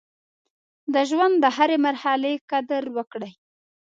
د ژوند د هرې مرحلې قدر وکړئ.